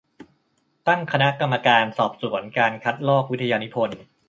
ตั้งคณะกรรมการสอบสวนการคัดลอกวิทยานิพนธ์